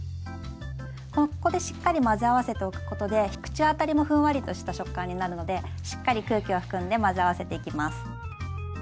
ここでしっかり混ぜ合わせておくことで口当たりもふんわりとした食感になるのでしっかり空気を含んで混ぜ合わせていきます。